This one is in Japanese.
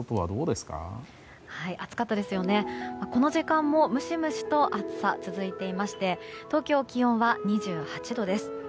この時間もムシムシと暑さが続いていまして東京の気温は２８度です。